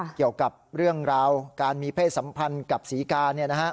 เกี่ยวกับเรื่องราวการมีเพศสัมพันธ์กับศรีกา